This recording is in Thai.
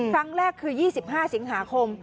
ครั้งแรกคือ๒๕สิงหาคม